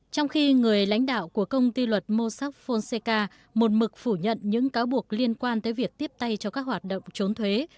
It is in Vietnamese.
trong khi người lãnh đạo của công ty luật mosaphonseka một mực phủ nhận những cáo buộc liên quan tới việc tiếp tay cho các hoạt động trốn thuế